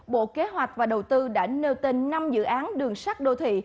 bộ kế hoạch và đầu tư đã nêu tên năm dự án đường sắt đô thị